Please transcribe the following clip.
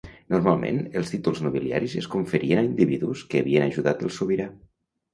Normalment, els títols nobiliaris es conferien a individus que havien ajudat el sobirà.